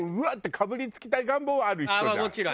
かぶりつきたい願望はある人じゃん？